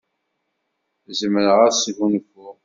Zemreɣ ad sgunfuɣ.